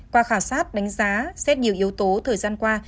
qua khảo sát đánh giá xét nhiều yếu tố thời gian qua